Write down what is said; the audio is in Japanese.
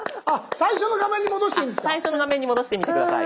最初の画面に戻してみて下さい。